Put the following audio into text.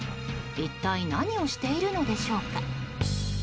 一体何をしているのでしょうか。